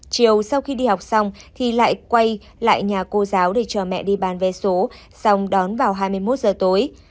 chiều sau khi đi học xong thì lại quay lại nhà cô giáo để cho mẹ đi bán vé số xong đón vào hai mươi một giờ tối